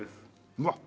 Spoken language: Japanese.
うわっ！